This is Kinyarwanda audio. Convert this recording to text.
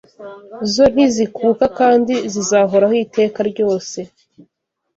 zo ntizikuka kandi zizahoraho iteka ryose